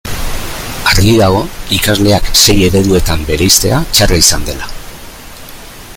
Argi dago ikasleak sei ereduetan bereiztea txarra izan dela.